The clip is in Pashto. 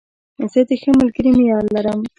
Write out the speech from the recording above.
زه د ښه ملګري معیار لرم.